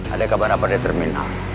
ada kabar apa dari terminal